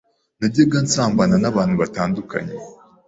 najyaga nsambana n’abantu batandukanye